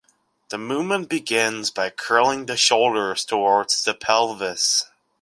The movement begins by curling the shoulders towards the pelvis.